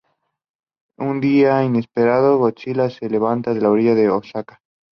Un día inesperado, Godzilla se levanta en la orilla de Osaka.